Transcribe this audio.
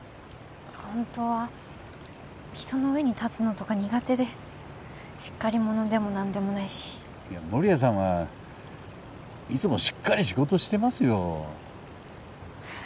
ホントは人の上に立つのとか苦手でしっかり者でも何でもないしいや守屋さんはいつもしっかり仕事してますよ